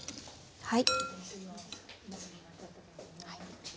はい。